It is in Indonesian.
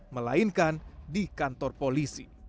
melainkan di kantor polisi